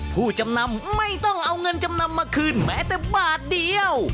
ผู้จำนำไม่ต้องเอาเงินจำนำมาคืนแม้แต่บาทเดียว